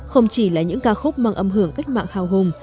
không chỉ là những ca khúc mang âm hưởng cách mạng hào hùng